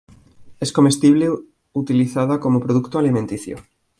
Es comestible utilizada como producto alimenticio.